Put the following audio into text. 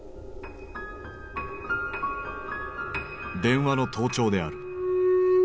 電話の盗聴である。